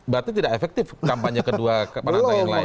berarti tidak efektif kampanye kedua partai yang lain